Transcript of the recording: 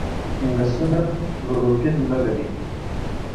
فنګسونه کلوروفیل نه لري.